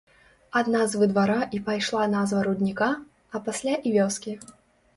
Ад назвы двара і пайшла назва рудніка, а пасля і вёскі.